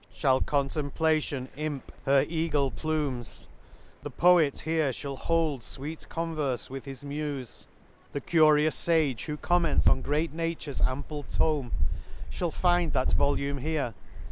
. Shall Contemplation imp "Her i3<5 An Excursion to " Her eagle plumes; the poet here mall hold " Sweet converfe with his mufe ; the curious fage^ Who comments on great nature's ample tome, «« Shall find that volume here.